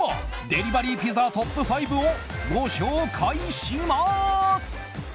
デリバリーピザトップ５をご紹介します。